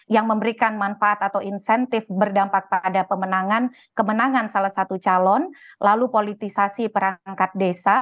yang memberikan manfaat atau insentif berdampak pada kemenangan salah satu calon lalu politisasi perangkat desa